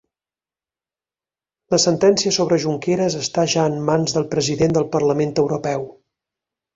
La sentència sobre Junqueras està ja en mans del president del Parlament Europeu